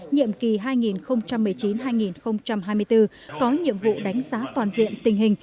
nhiệm kỳ hai nghìn một mươi chín hai nghìn hai mươi bốn có nhiệm vụ đánh giá toàn diện tình hình